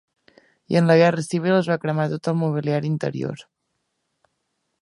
I en la guerra civil es va cremar tot el mobiliari interior.